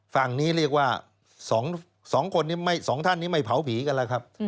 ฝั่งนี้เรียกว่า๒ท่านนี้ไม่เผาผีกันล่ะครับ